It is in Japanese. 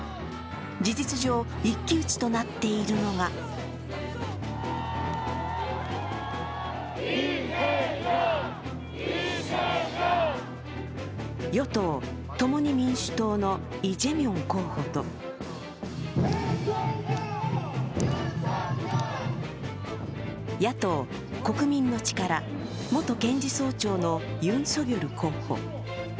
事実上、一騎打ちとなっているのが与党、共に民主党のイ・ジェミョン候補と野党、国民の力、元検事総長のユン・ソギョル候補。